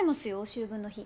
秋分の日。